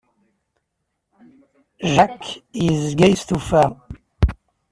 Jacques yezga yestufa.